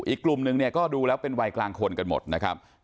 อีกกลุ่มนึงเนี่ยก็ดูแล้วเป็นวัยกลางคนกันหมดนะครับ